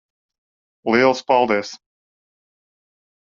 Liels paldies.